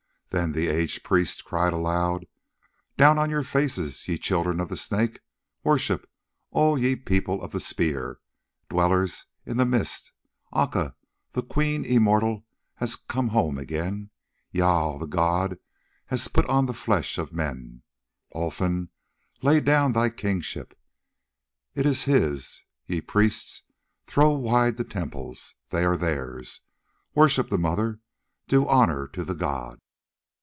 Then the aged priest cried aloud: "Down upon your faces, ye Children of the Snake; Worship, all ye People of the Spear, Dwellers in the Mist! Aca, the Queen immortal, has come home again: Jâl, the god, has put on the flesh of men. Olfan, lay down thy kingship, it is his: ye priests, throw wide the temples, they are theirs. Worship the Mother, do honour to the god!"